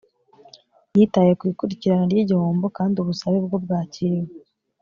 yitaye ku ikurikirana ry’igihombo kandi ubusabe bwo bwakiriwe